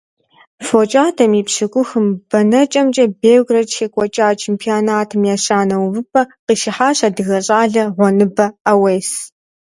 ФокӀадэм и пщӀыкӀухым бэнэкӀэмкӀэ Белград щекӀуэкӀа чемпионатым ещанэ увыпӀэр къыщихьащ адыгэ щӀалэ Гъуэныбэ Ӏэуес.